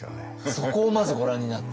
そこをまずご覧になって？